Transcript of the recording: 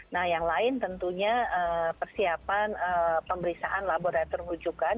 nah yang lain tentunya persiapan pemeriksaan laboratorium rujukan